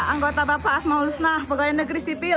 anggota bapak asma hulusnah pegawai negeri sipil